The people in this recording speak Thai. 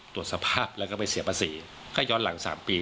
ตรวจสภาพแล้วก็ไปเสียภาษีถ้าย้อนหลัง๓ปี